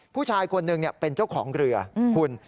ผู้ชายคนหนึ่งเป็นเจ้าของเรือคุณ